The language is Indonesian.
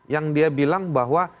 yang dia bilang bahwa